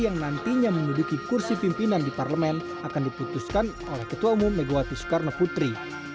yang nantinya menuduki kursi pimpinan di parlemen akan diputuskan oleh ketua umum megawati soekarno putri